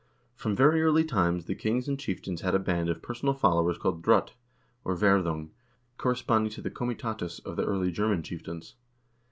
From very early times the kings and chieftains had a band of personal followers called droit, or verdung, corresponding to the comitatus of the early German chieftains.